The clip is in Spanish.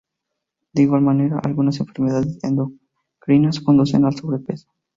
De igual manera, algunas enfermedades endocrinas conducen al sobrepeso.